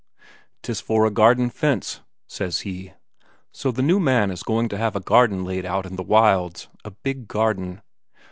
"'Tis for a garden fence," says he. So the new man is going to have a garden laid out in the wilds a big garden.